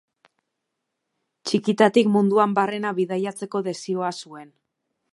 Txikitatik munduan barrena bidaiatzeko desioa zuen.